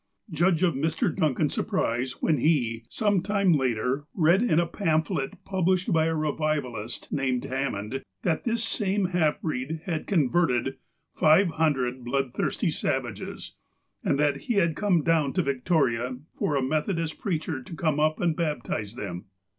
Judge of Mr. Duncan's surprise when he, some time later, read in a pamphlet published by a revivalist, named Hammond, that this same half breed had con verted "five hundred bloodthirsty savages," and that he had come down to Victoria for a Methodist preacher to come up and baptize them.